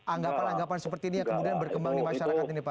anggapan anggapan seperti ini yang kemudian berkembang di masyarakat ini pak